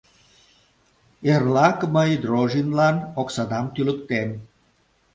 — Эрлак мый Дрожинлан оксадам тӱлыктем!